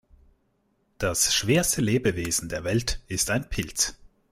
Das schwerste Lebewesen der Welt ist ein Pilz.